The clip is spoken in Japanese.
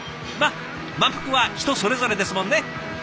満腹は人それぞれですもんね。